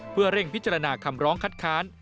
เพื่อเร่งพิจารณาคำร้องคัดค้าน